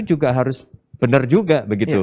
juga harus benar juga